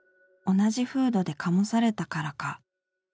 同じ風土で醸されたからか。